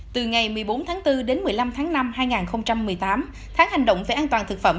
từ ngày một mươi bốn tháng bốn đến một mươi năm tháng năm hai nghìn một mươi tám tháng hành động về an toàn thực phẩm